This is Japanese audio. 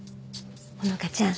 穂花ちゃん